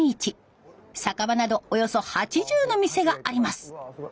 酒場などおよそ８０の店があります。